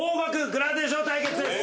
グラデーション対決です！